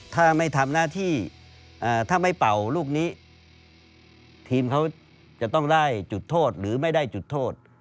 ถ้าไม่ทำหน้าที่ถ้าไม่เป่าลูกนี้ทีมเขาจะต้องได้จุดโทษหรือไม่ได้จุดโทษ